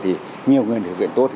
thì nhiều người thực hiện tốt